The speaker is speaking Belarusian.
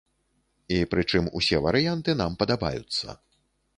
І пры чым усе варыянты нам падабаюцца.